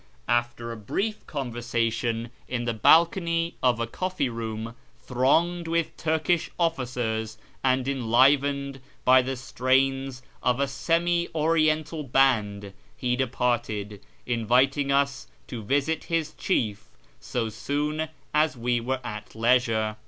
After a brief conversation in the balcony of a coffee room thronged with Turkish officers and enlivened by the strains of a semi oriental band, he departed, inviting us to visit his chief so soon as we were at leisure.